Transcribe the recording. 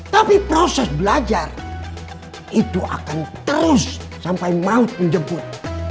tapi proses belajar itu akan terus sampai mau menjemput